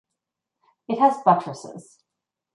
It has buttresses.